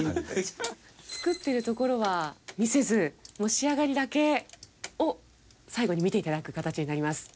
作ってるところは見せずもう仕上がりだけを最後に見て頂く形になります。